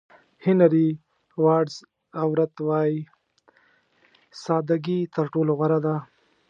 هېنري واډز اورت وایي ساده ګي تر ټولو غوره ده.